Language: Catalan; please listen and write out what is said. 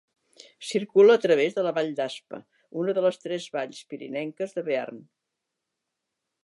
Circula a través de la vall d'Aspa, una de les tres valls pirinenques del Bearn.